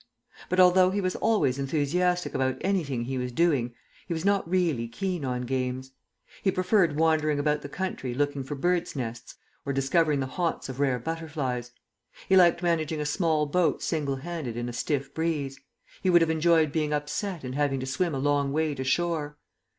But, although he was always enthusiastic about anything he was doing, he was not really keen on games. He preferred wandering about the country looking for birds' nests or discovering the haunts of rare butterflies; he liked managing a small boat single handed in a stiff breeze; he would have enjoyed being upset and having to swim a long way to shore.